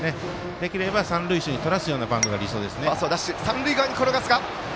できれば三塁手にとらせるようなバントが理想です。